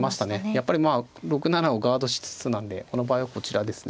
やっぱり６七をガードしつつなんでこの場合はこちらですね。